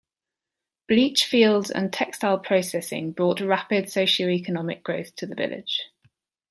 Bleachfields and textile processing brought rapid socioeconomic growth to the village.